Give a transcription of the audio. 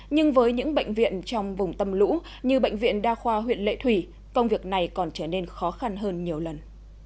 nhưng với những bệnh viện trong vùng tâm lũ như bệnh viện đa khoa huyện lệ thủy công việc này còn trở nên khó khăn hơn nhiều lần